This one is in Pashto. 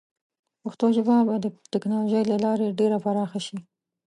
پښتو ژبه به د ټیکنالوجۍ له لارې ډېره پراخه شي.